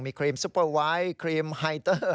มีครีมซูเปอร์ไว้ครีมฮาไท่เตอร์